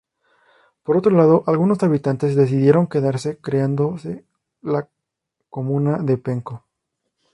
Por otro lado, algunos habitantes decidieron quedarse, creándose la comuna de Penco.